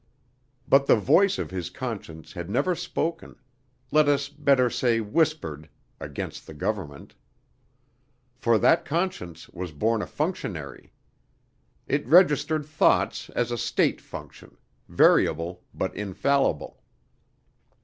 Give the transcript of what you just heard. But the voice of his conscience had never spoken let us better say whispered against the government. For that conscience was born a functionary. It registered thoughts as a State function variable but infallible.